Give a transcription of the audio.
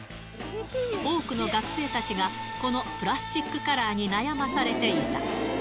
多くの学生たちが、このプラスチックカラーに悩まされていた。